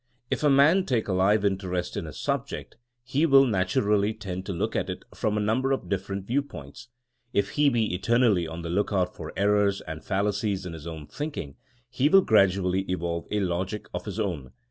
If a man take a live interest in a subject he will naturally tend to look at it from a number of different viewpoints. If he be eternally on the lookout for errors and fallacies in his own thinking he will gradually evolve a logic of his own.